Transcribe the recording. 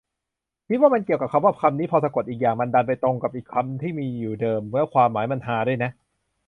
คิดว่ามันเกี่ยวกับว่า คำนี้พอสะกดอีกอย่าง มันดันไปตรงกับอีกคำที่มีอยู่เดิม แล้วความหมายมันฮาด้วยน่ะ